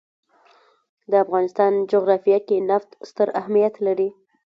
د افغانستان جغرافیه کې نفت ستر اهمیت لري.